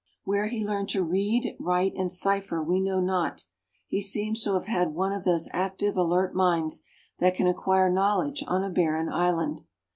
Where he learned to read, write and cipher we know not; he seems to have had one of those active, alert minds that can acquire knowledge on a barren island.